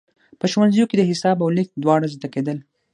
په ښوونځیو کې د حساب او لیک دواړه زده کېدل.